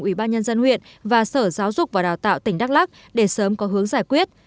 ủy ban nhân dân huyện và sở giáo dục và đào tạo tỉnh đắk lắc để sớm có hướng giải quyết